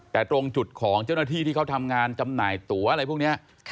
แต่ตรงจุดของเจ้าหน้าที่ที่เขาทำงานจำหน่ายตัวอะไรพวกนี้